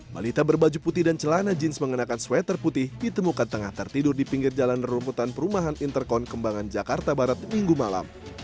balita berbaju putih dan celana jeans mengenakan sweater putih ditemukan tengah tertidur di pinggir jalan rumputan perumahan interkon kembangan jakarta barat minggu malam